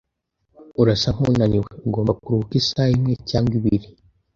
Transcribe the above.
Urasa nkunaniwe. Ugomba kuruhuka isaha imwe cyangwa ibiri.